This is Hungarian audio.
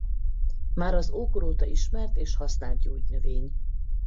Már az ókor óta ismert és használt gyógynövény.